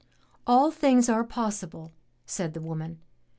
"All things are possible," said the woman.